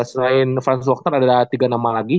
selain franz wacter ada tiga nama lagi